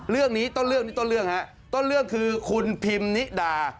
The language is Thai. เรื่องนี้ต้อนเลือกต้อนเลือกคือคุณพิมนิดา